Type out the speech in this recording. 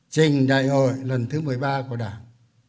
trình đại hội lần thứ một mươi ba của đảng